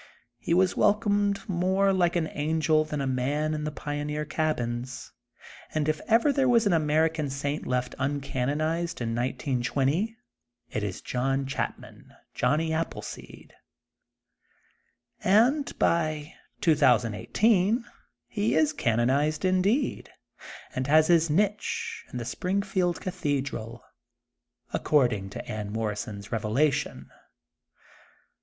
He was welcomed more like an angel than a man in the pioneer cabins, and if ever there was an American saint left uncanonized in 1920, it is John Chapman, Johnny Appleseed, and by 2018 he is canonized indeed, and has his niche in the Springfield Cathedral, accord ing to Anne Morrison's revelation.